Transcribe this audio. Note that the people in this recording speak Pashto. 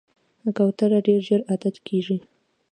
کوتره ډېر ژر عادت کېږي.